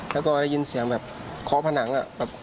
แล้วก็ได้ยินเสียงแบบเคาะผนัง